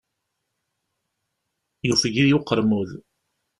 Yufeg-iyi uqermud.